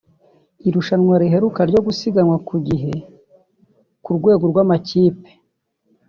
Irushanwa riheruka ryo gusiganwa ku gihe ku rwego rw’amakipe